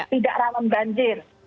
tidak rawan banjir